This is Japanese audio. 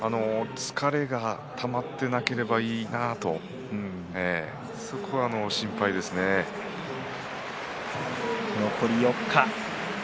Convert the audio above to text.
疲れがたまっていなければいいなと残り４日。